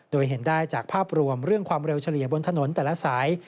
โดยเห็นได้จากภาพรวมเรื่องความเร็วเฉลี่ยบนถนนแต่ละสาย